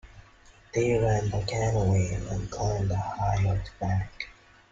They ran the canoe in and climbed the high earth bank.